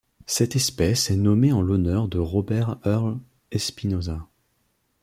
Cette espèce est nommée en l'honneur de Robert Earl Espinoza.